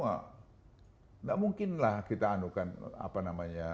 tidak mungkinlah kita anuhkan